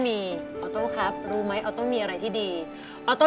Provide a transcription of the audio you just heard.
มีความอ่อนหวาน